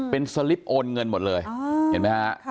เป็นสลิปโอนเงินหมดเลยเห็นไหมฮะ